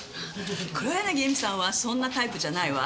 黒柳恵美さんはそんなタイプじゃないわ。